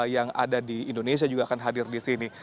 yang ada di indonesia juga akan hadir di sini